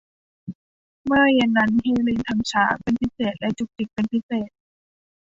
เมื่อเย็นนั้นเฮเลนทั้งช้าเป็นพิเศษและจุกจิกเป็นพิเศษ